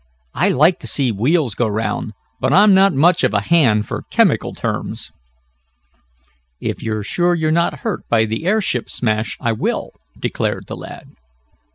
I like to see wheels go 'round, but I'm not much of a hand for chemical terms." "If you're sure you're not hurt by the airship smash, I will," declared the lad.